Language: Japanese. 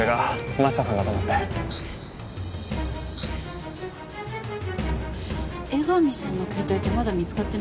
江上さんの携帯ってまだ見つかってないですよね？